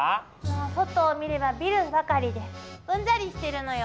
外を見ればビルばかりでうんざりしてるのよ。